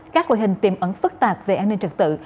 các loại hình tiềm ẩn phức tạp về an ninh trật tự